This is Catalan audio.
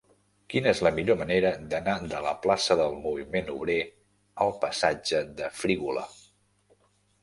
Quina és la millor manera d'anar de la plaça del Moviment Obrer al passatge de Frígola?